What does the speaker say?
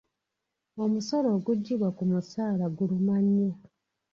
Omusolo oguggyibwa ku musaala guluma nnyo.